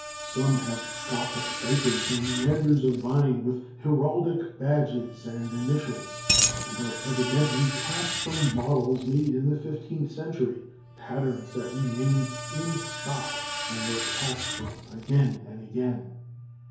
Some have Gothic diapers and meanders of vine with heraldic badges and initials, and are evidently cast from models made in the fifteenth century, patterns that remained in stock and were cast from again and again.